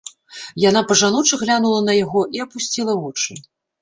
Яна па-жаночы глянула на яго і апусціла вочы.